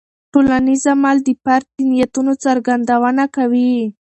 ټولنیز عمل د فرد د نیتونو څرګندونه کوي.